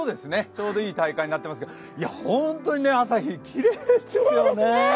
ちょうどいい体感になっていますけれども、本当に朝日、きれいですよね。